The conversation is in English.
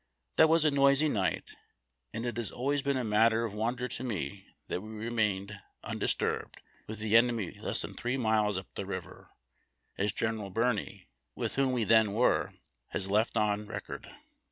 That was a noisy night, and it has always been a matter of wonder to me that we remained undisturbed, with the enemy less than three miles up the river, as General Birney, with whom we then were, has left on record.